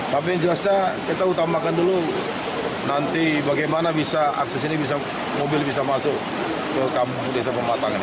tapi yang jelasnya kita utamakan dulu nanti bagaimana bisa akses ini bisa mobil bisa masuk ke desa pematang ini